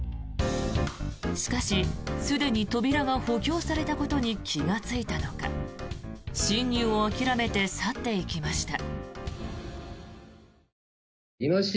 しかし、すでに扉が補強されたことに気がついたのか侵入を諦めて去っていきました。